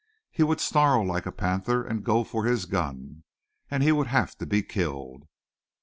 He would snarl like a panther and go for his gun, and he would have to be killed.